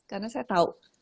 karena saya tahu